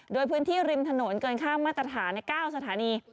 โดยพื้นที่ริมถนนเกินข้ามมาตรฐานใน๙สถานี